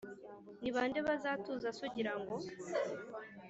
ni bande bazatuza se ugirango